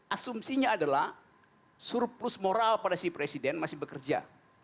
asumsinya adalah surplus moral pada si presiden masih bekerja